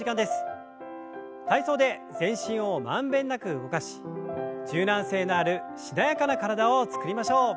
体操で全身を満遍なく動かし柔軟性のあるしなやかな体を作りましょう。